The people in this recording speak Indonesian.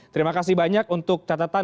terima kasih banyak untuk catatan